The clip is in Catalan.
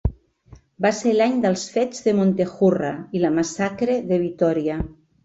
Va ser l'any dels fets de Montejurra i la massacre de Vitòria.